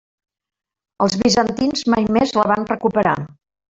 Els bizantins mai més la van recuperar.